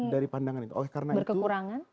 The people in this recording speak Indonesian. dari pandangan kita ini berkekurangan